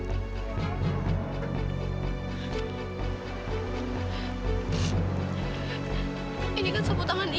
ibu gak tau namanya